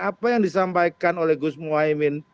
apa yang disampaikan oleh gusmohaimin